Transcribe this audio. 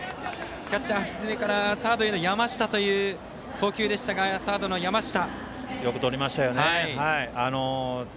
キャッチャー、橋爪からサード、山下へという送球でしたが、サードの山下。